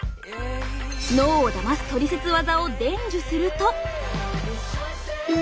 脳をだますトリセツ技を伝授すると。